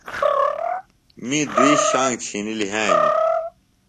می دوئیۡ شانگ چِھنیۡ لِھیئیانوۡ